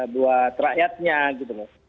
buat rakyatnya gitu loh